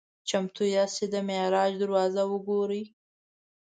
"چمتو یاست چې د معراج دروازه وګورئ؟"